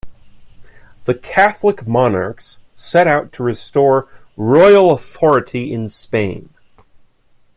The Catholic Monarchs set out to restore royal authority in Spain.